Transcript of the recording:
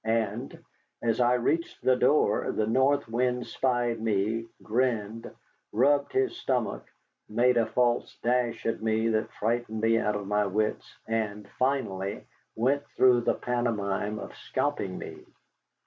And, as I reached the door, the North Wind spied me, grinned, rubbed his stomach, made a false dash at me that frightened me out of my wits, and finally went through the pantomime of scalping me.